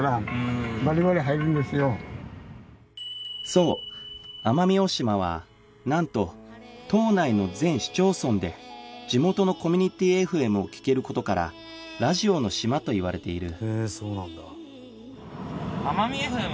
そう奄美大島はなんと島内の全市町村で地元のコミュニティ ＦＭ を聴ける事から「ラジオの島」といわれている